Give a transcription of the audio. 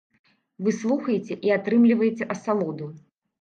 Вы слухаеце і атрымліваеце асалоду.